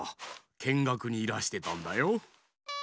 けんがくにいらしてたんだよ。